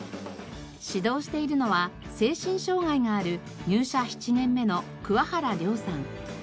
指導しているのは精神障害がある入社７年目の原遼さん。